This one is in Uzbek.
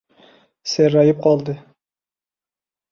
Serrayib qoldi.